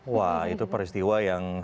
wah itu peristiwa yang